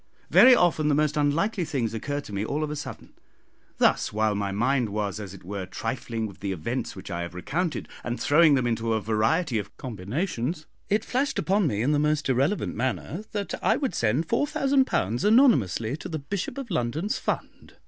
Very often the most unlikely things occur to me all of a sudden: thus, while my mind was, as it were, trifling with the events which I have recounted, and throwing them into a variety of combinations, it flashed upon me in the most irrelevant manner that I would send £4000 anonymously to the Bishop of London's fund.